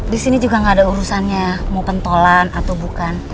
disini juga ga ada urusannya mau pentolan atau bukan